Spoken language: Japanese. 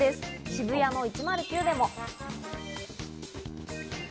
渋谷の１０９でも。